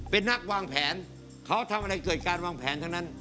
เป็นนักวางแผนเขาทำอะไรเกิดการวางแผนทั้งนั้น